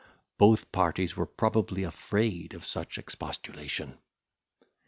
Both parties were probably afraid of such expostulation.